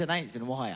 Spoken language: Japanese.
もはや。